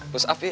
push up yuk